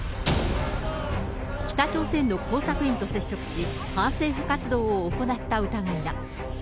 北朝鮮の工作員と接触し、反政府活動を行った疑いだ。